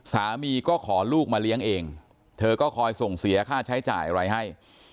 สามีก็ขอลูกมาเลี้ยงเองเธอก็คอยส่งเสียค่าใช้จ่ายอะไรให้